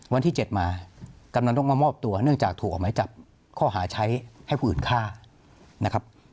วันที่๗มากำนันต้องมามอบตัวเนื่องจากถูกออกหมายจับข้อหาใช้ให้ผู้อื่นฆ่านะครับ